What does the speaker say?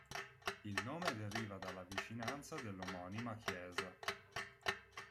Il nome deriva dalla vicinanza dell'omonima chiesa.